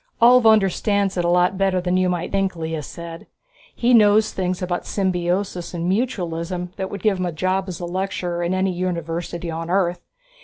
"Ulv understands it a lot better than you might think," Lea said. "He knows things about symbiosis and mutualism that would get him a job as a lecturer in any university on Earth.